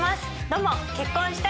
どうも！」